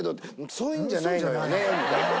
「そういうのじゃないのよね」みたいな。